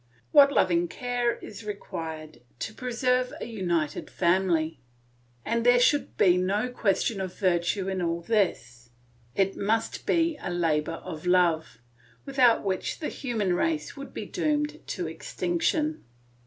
What loving care is required to preserve a united family! And there should be no question of virtue in all this, it must be a labour of love, without which the human race would be doomed to extinction.